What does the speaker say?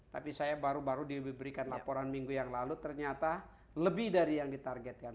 tapi saya baru baru diberikan laporan minggu yang lalu ternyata lebih dari yang ditargetkan